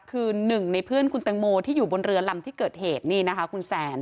คือหนึ่งในเพื่อนคุณแตงโมที่อยู่บนเรือลำที่เกิดเหตุนี่นะคะคุณแซน